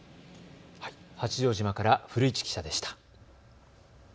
八丈島から古市記者でした。